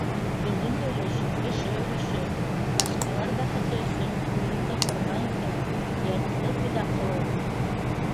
Беҙҙең өлөш - кеше өлөшө, башҡалар бәхете өсөн үҙеңде ҡорбан итеү, йәнеңде фиҙа ҡылыу!